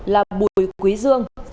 là bùi quý dương